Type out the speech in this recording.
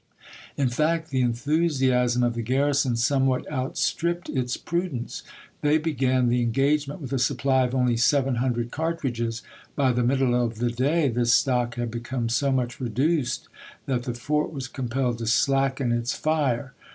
In fact, the enthusiasm of the garrison somewhat outstripped its prudence. They began the engagement with a supply of only seven hundred cartridges; by the middle of the day this stock had become so much reduced that the fort was compelled to slacken its fire.